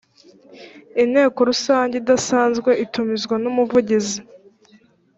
inteko rusange idasanzwe itumizwa n umuvugizi